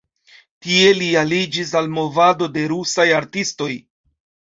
Tie li aliĝis al movado de rusaj artistoj.